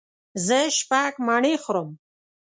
زه شپږ مڼې خورم.